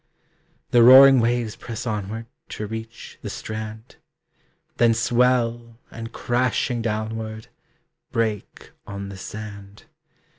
The roaring waves press onward To reach the strand. Then swell, and, crashing downward, Break on the sand.